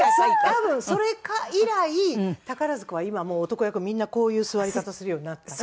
多分それ以来宝塚は今もう男役はみんなこういう座り方するようになった。